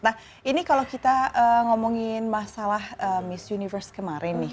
nah ini kalau kita ngomongin masalah miss universe kemarin nih